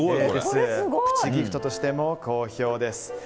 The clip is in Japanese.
プチギフトとしても好評です。